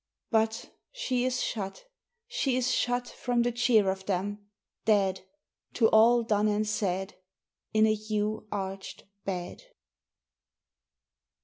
... But She is shut, she is shut From the cheer of them, dead To all done and said In a yew arched bed.